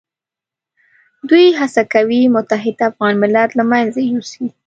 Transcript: دوی هڅه کوي متحد افغان ملت له منځه یوسي.